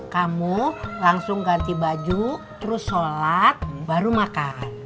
kamu langsung ganti baju terus sholat baru makan